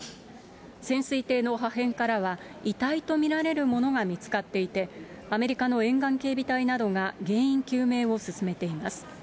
潜水艇の破片からは遺体と見られるものが見つかっていて、アメリカの沿岸警備隊などが原因究明を進めています。